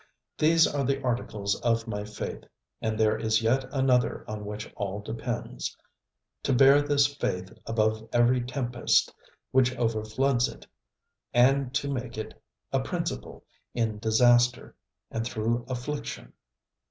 ŌĆØ These are the articles of my faith, and there is yet another on which all depends to bear this faith above every tempest which overfloods it, and to make it a principle in disaster and through affliction.